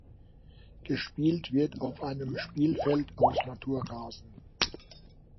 Gespielt wird auf einem Spielfeld aus Naturrasen.